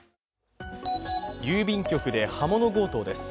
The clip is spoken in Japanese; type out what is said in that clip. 郵便局で刃物強盗です。